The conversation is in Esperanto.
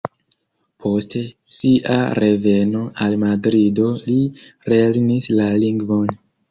Post sia reveno al Madrido, li lernis la lingvon.